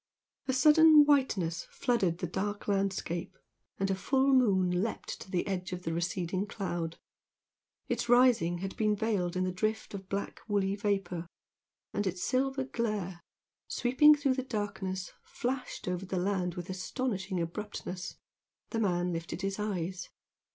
A sudden whiteness flooded the dark landscape, and a full moon leaped to the edge of the receding cloud. Its rising had been veiled in the drift of black woolly vapour, and its silver glare, sweeping through the darkness flashed over the land with astonishing abruptness. The man lifted his eyes.